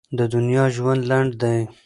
د دنیا ژوند لنډ دی.